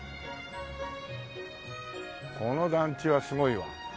この団地はすごいわ。